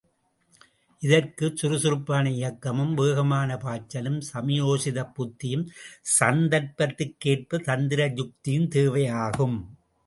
இதற்கு சுறுசுறுப்பான இயக்கமும், வேகமான பாய்ச்சலும், சமயோசிதப் புத்தியும், சந்தர்ப்பத்திற்கேற்ப தந்திர யுக்தியும் தேவையாகும்.